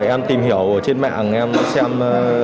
em tìm hiểu trên mạng em xem